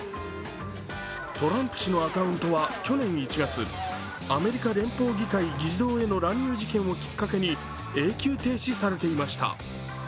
トランプ氏のアカウントは去年１月アメリカ連邦議事堂への乱入事件をきっかけに永久停止されていました。